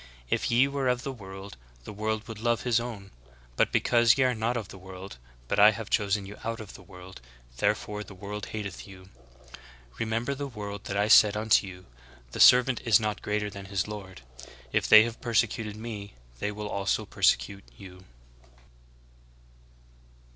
If ye were of the world the world would love his own ; but because ye are not of the world, but I have chosen you out of the world, there fore the w^orld hateth you. Remember the word that I said unto you, The servant is not greater than his lord. If they have persecuted me they will also persecute you."